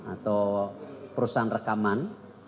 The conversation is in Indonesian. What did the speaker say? atau perusahaan rekaman